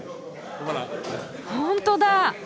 ほんとだ！